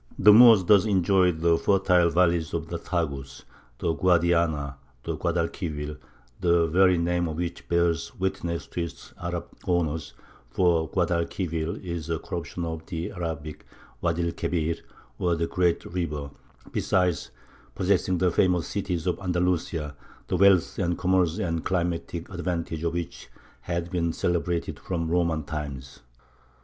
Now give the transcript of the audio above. The Moors thus enjoyed the fertile valleys of the Tagus, the Guadiana, and the Guadalquivir the very name of which bears witness to its Arab owners, for Guadalquivir is a corruption of the Arabic Wady l kebīr, or the "Great River" besides possessing the famous cities of Andalusia, the wealth and commerce and climatic advantages of which had been celebrated from Roman times.